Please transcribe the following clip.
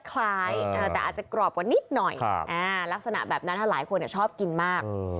คล้ายแต่อาจจะกรอบกว่านิดหน่อยลักษณะแบบนั้นหลายคนชอบกินมาก